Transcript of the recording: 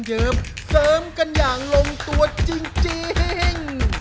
เสริมกันอย่างลงตัวจริง